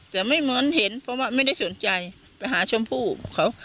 แต่ไม่ม้อนเห็นเพราะว่าไม่ได้สนใจไปหาชมพู่เขา